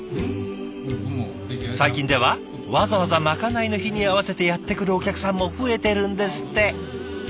最近ではわざわざまかないの日に合わせてやって来るお客さんも増えてるんですって。